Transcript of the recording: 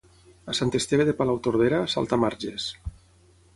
A Sant Esteve de Palautordera, saltamarges.